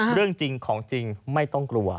เรื่องจริงของจริงไม่ต้องกลัว